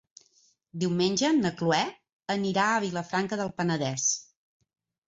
Diumenge na Cloè anirà a Vilafranca del Penedès.